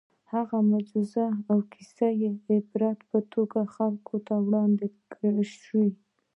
د هغه معجزې او کیسې د عبرت په توګه خلکو ته وړاندې شوي.